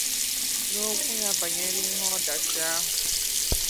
N'okwu ya banyere ihe ọdachi ahụ